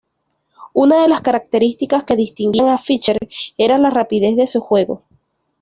Una de las características que distinguían a Fischer era la rapidez de su juego.